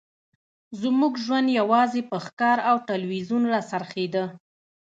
زموږ ژوند یوازې په ښکار او تلویزیون راڅرخیده